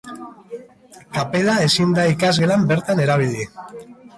Kapela ezin da ikasgelan bertan erabili.